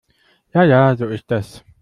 Ja ja, so ist das.